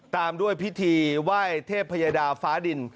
ตามด้วยพิธีไหว้เทพยดาฟ้าดิน